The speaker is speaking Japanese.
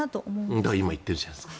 だから今言っているじゃないですか。